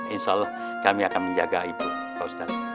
insyaallah kami akan menjaga ibu pak ustaz